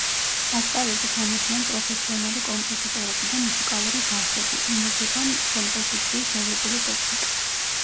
ასპარეზზე გამოდიან პროფესიონალი კომპოზიტორები და მუსიკალური დასები, ინერგება კომპოზიციის ევროპული ტექნიკა.